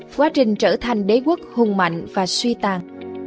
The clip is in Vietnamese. quá trình trở thành đế quốc hùng mạnh và suy tàn